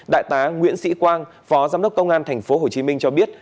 đại tá nguyễn sĩ quang phó giám đốc công an tp hcm cho biết